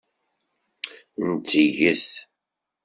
Nteg-t.